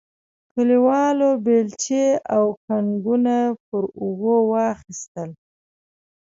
کلیوالو بیلچې او کنګونه پر اوږو واخیستل.